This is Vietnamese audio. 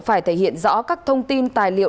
phải thể hiện rõ các thông tin tài liệu